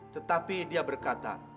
tetapi dia berkata